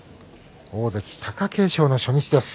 大関・貴景勝の初日です。